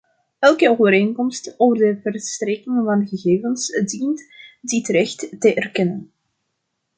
Elke overeenkomst over de verstrekking van gegevens dient dit recht te erkennen.